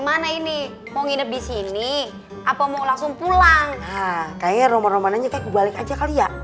sini mau nginep di sini apa mau langsung pulang kayaknya rumah rumah nanya balik aja kali ya